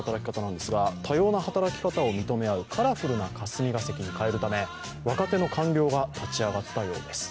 多様な働き方を認め合うカラフル名霞が関に変えるため若手の官僚が立ち上がったようです。